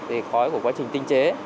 thì khói của quá trình tinh chế